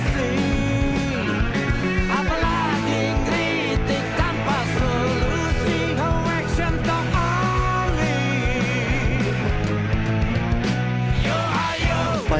saya mengumpulkan pki untuk menyrelsysi